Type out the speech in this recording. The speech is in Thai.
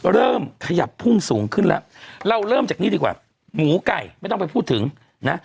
เริ่มขยับพุ่งสูงขึ้นแล้วเราเริ่มจากนี่ดีกว่าหมูไก่ไม่ต้องไปพูดถึงนะ